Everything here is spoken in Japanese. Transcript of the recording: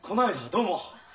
どうも。